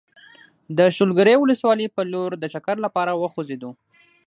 د شولګرې ولسوالۍ په لور د چکر لپاره وخوځېدو.